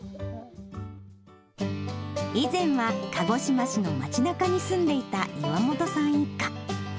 以前は鹿児島市の町なかに住んでいた岩元さん一家。